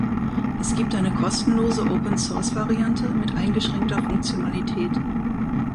Es gibt eine kostenlose Open-Source-Variante mit eingeschränkter Funktionalität.